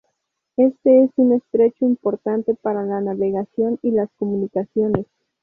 Este es un estrecho importante para la navegación y las comunicaciones.